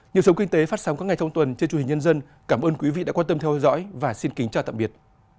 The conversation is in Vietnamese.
nhiều sống kinh tế phát sóng các ngày thông tuần trên truyền hình nhân dân cảm ơn quý vị đã quan tâm theo dõi và xin kính chào tạm biệt